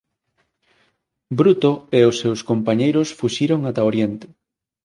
Bruto e os seus compañeiros fuxiron ata Oriente.